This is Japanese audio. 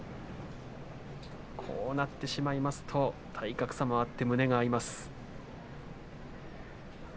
こうなってくると体格差もあって胸が合います。